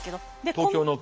東京のね。